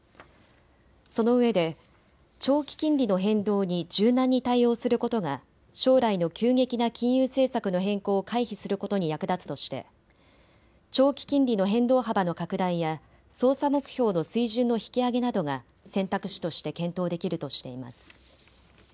そのうえで長期金利の変動に柔軟に対応することが将来の急激な金融政策の変更を回避することに役立つとして長期金利の変動幅の拡大や操作目標の水準の引き上げなどが選択肢として検討できるとしています。